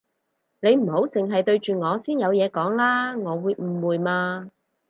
你唔好剩係對住我先有嘢講啦，我會誤會嘛